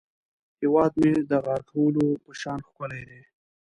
هیواد مې د غاټولو په شان ښکلی دی